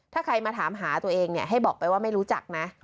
ถ้าใครมาถามหาตัวเองให้บอกไปว่าไม่รู้จักนะ